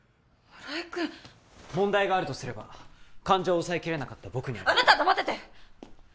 村井君問題があるとすれば感情を抑えきれなかった僕にあなたは黙ってて！